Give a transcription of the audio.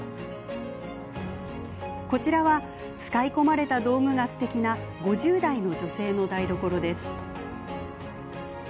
こちらは、使い込まれた道具がすてきな５０代の女性の台所です。